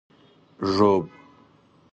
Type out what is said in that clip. ږوب